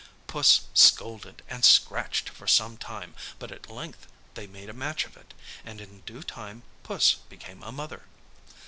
Puss scolded and scratched for some time, but at length they made a match of it, and in due time, Puss became a mother.